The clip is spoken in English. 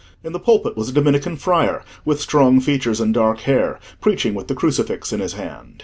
In the pulpit was a Dominican friar, with strong features and dark hair, preaching with the crucifix in his hand.